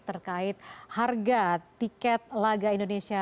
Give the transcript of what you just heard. terkait harga tiket laga indonesia